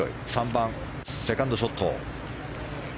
３番、セカンドショット。